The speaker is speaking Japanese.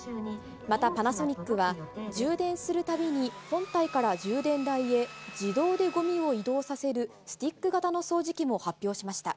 また、パナソニックは充電するたびに本体から充電台へ自動でごみを移動させるスティック型の掃除機も発表しました。